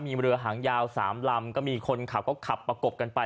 มีเรือหางยาว๓ลำก็มีคนขับก็ขับประกบกันไป